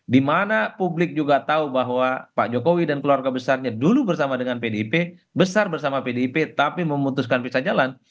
dimana publik juga tahu bahwa pak jokowi dan keluarga besarnya dulu bersama dengan pdip besar bersama pdip tapi memutuskan bisa jalan